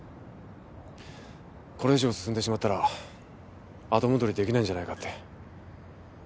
これ以上進んでしまったら後戻りできないんじゃないかって。